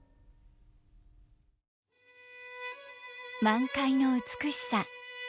満開の美しさ。